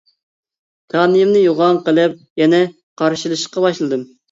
كانىيىمنى يوغان قىلىپ يەنە قارشىلىشىشقا باشلىدىم.